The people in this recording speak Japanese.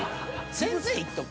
先生いっとく？